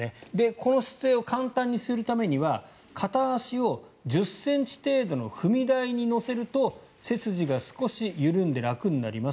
この姿勢を簡単にするためには片足を１０ｃｍ程度の踏み台に乗せると背筋が少し緩んで楽になります。